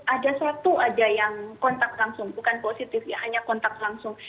ada satu ada yang kontak langsung bukan positif ya hanya kontak langsung